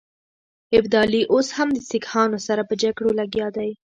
ابدالي اوس هم د سیکهانو سره په جګړو لګیا دی.